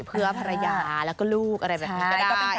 เพื่อภรรยาแล้วก็ลูกอะไรแบบนี้ก็ได้